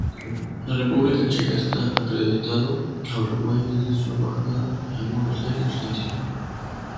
La República Checa está acreditado a Uruguay desde su embajada en Buenos Aires, Argentina.